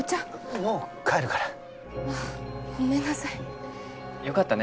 もう帰るからあッごめんなさいよかったね